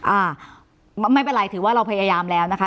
อ่าไม่เป็นไรถือว่าเราพยายามแล้วนะคะ